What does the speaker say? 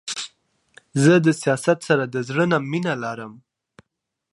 زه سياست د سره د زړه نه مينه لرم.